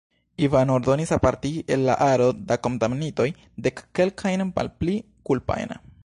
Ivano ordonis apartigi el la aro da kondamnitoj dekkelkajn malpli kulpajn.